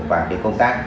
và cái công tác